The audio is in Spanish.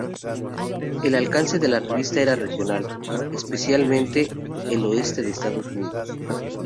El alcance de la revista era regional, específicamente el oeste de Estados Unidos.